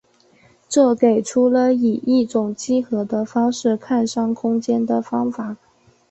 这给出了以一种几何的方式看商空间的方法。